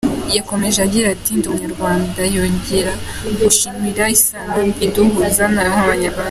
Yakomeje agira ati “Ndi Umunyarwanda yongera gushimangira isano iduhuza nk’Abanyarwanda.